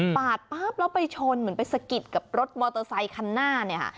ปั๊บแล้วไปชนเหมือนไปสะกิดกับรถมอเตอร์ไซคันหน้าเนี่ยค่ะ